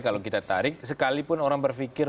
kalau kita tarik sekalipun orang berpikir